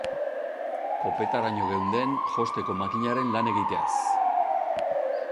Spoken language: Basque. Kopetaraino geunden josteko makinarekin lan egiteaz.